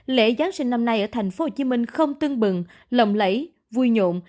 lễ giáng sinh năm nay ở tp hcm không tưng bừng lòng lẫy vui nhộn